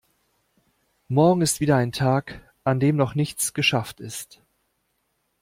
Morgen ist wieder ein Tag, an dem noch nichts geschafft ist.